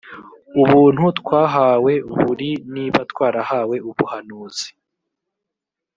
ubuntu twahawe buri niba twarahawe ubuhanuzi